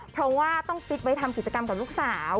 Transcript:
เพราะว่าต้องฟิตไว้ทำกิจกรรมกับลูกสาว